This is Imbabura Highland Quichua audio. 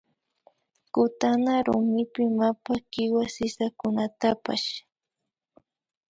Kutana rumipi mapa kiwa sisakunatapsh